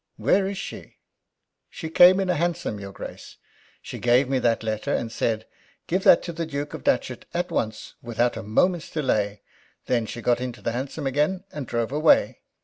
"Where is she?" "She came in a hansom, your Grace. She gave me that letter, and said, 'Give that to the Duke of Datchet at once without a moment's delay!' Then she got into the hansom again, and drove away."